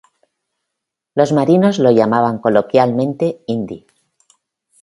Los marinos lo llamaban coloquialmente "Indy".